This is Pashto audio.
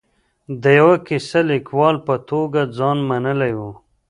د یوه کیسه لیکوال په توګه ځان منلی و.